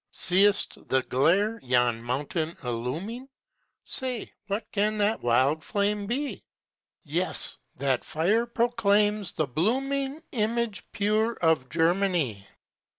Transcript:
See'st the glare yon mount illuming? Say, what can that wild flame be? Yes! that fire proclaims the blooming Image pure of Germany.